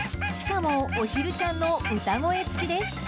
しかも、おひるちゃんの歌声付きです。